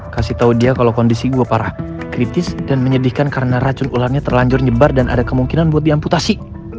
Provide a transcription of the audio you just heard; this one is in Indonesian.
kasih tahu dia kalau kondisi gue parah kritis dan menyedihkan karena racun ularnya terlanjur nyebar dan ada kemungkinan buat diamputasi